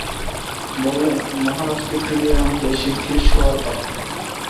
বললেন, মহারাজকে ফিরিয়ে আনতে শিগগির সওয়ার পাঠাও।